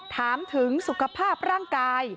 ถามถึงสุขภาพร่างกาย